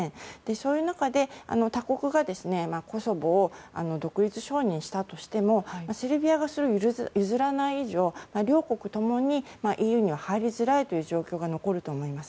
そういう中で他国がコソボを独立承認したとしてもセルビアがそれを譲らない以上両国ともにＥＵには入りづらいという状況が残ると思います。